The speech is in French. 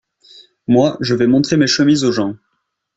Moi, je vais montrer mes chemises aux gens !